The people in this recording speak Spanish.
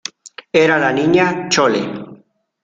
era la Niña Chole: